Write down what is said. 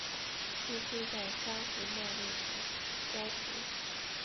栖息在珊瑚茂密的礁湖。